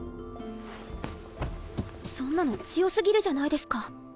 そんなの強過ぎるじゃないですか。